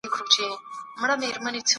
د وخت ارزښت هر څوک نه پېژني.